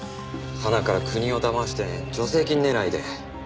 はなから国をだまして助成金狙いで。